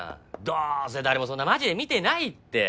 どうせ誰もそんなマジで見てないって。